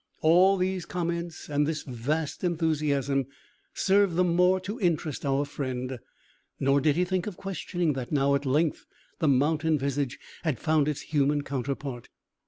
All these comments, and this vast enthusiasm, served the more to interest our friend; nor did he think of questioning that now, at length, the mountain visage had found its human counterpart.